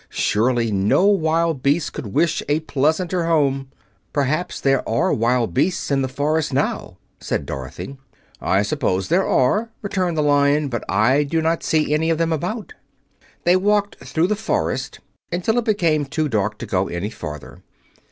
Surely no wild beast could wish a pleasanter home." "Perhaps there are wild beasts in the forest now," said Dorothy. "I suppose there are," returned the Lion, "but I do not see any of them about." They walked through the forest until it became too dark to go any farther.